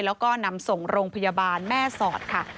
แล้วก็นำส่งโรงพยาบาลแม่สอดค่ะ